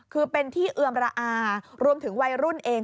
คือเป็นที่เอือมระอารวมถึงวัยรุ่นเอง